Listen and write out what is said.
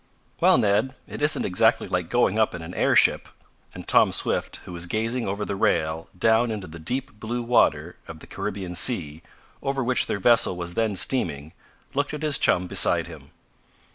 "Well, Ned, it isn't exactly like going up in an airship," and Tom Swift who was gazing over the rail down into the deep blue water of the Caribbean Sea, over which their vessel was then steaming, looked at his chum beside him.